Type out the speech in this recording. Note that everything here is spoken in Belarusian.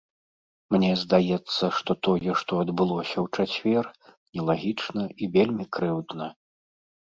Мне здаецца, што тое, што адбылося ў чацвер, нелагічна і вельмі крыўдна.